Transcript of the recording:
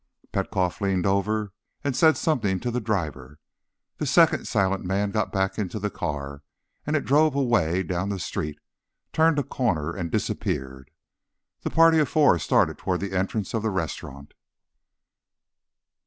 Petkoff leaned over and said something to the driver. The second silent man got back into the car, and it drove away down the street, turned a corner and disappeared. The party of four started toward the entrance of the restaurant.